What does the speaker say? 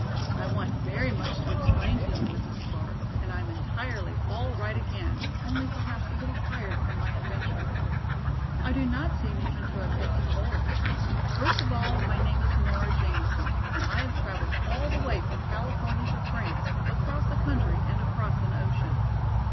"I want very much to explain to you, Mrs. Clark, and I am entirely all right again, only perhaps a little tired from my adventure. I do not seem even to have taken cold. First of all my name is Nora Jamison and I have traveled all the way from California to France, across a country and across an ocean.